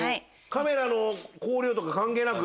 カメラの光量とか関係なく。